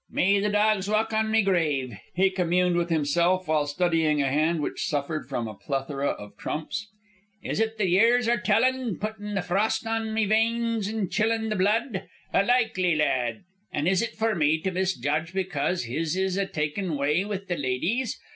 "May the dogs walk on me grave," he communed with himself while studying a hand which suffered from a plethora of trumps. "Is it the years are tellin', puttin' the frost in me veins and chillin' the blood? A likely lad, an' is it for me to misjudge because his is a takin' way with the ladies?